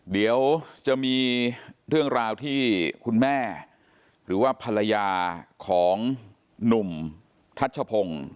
เดี๋ยวจะมีเรื่องราวที่คุณแม่หรือว่าภรรยาของหนุ่มทัชพงศ์